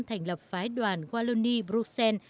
thành lập phái đoàn wallonie bruxelles